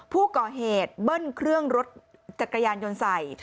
ผู้ก่อเหตุเบิ้ลเครื่องรถจักรยานยนต์ใส่